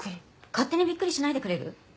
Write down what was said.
勝手にびっくりしないでくれる？